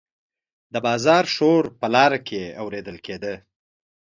د بازار شور په لاره کې اوریدل کیده.